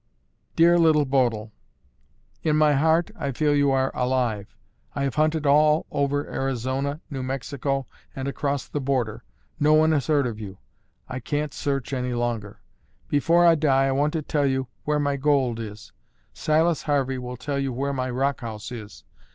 "Dear Little Bodil— "In my heart I feel you are alive. I have hunted all over Arizona, New Mexico and across the border. No one has heard of you. I can't search any longer. "Before I die I want to tell you where my gold is. Silas Harvey will tell you where my rock house is.